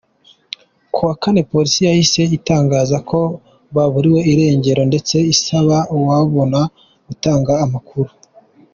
Kuwa Kane polisi yahise itangaza ko baburiwe irengero ndetse isaba uwababona gutanga amakuru.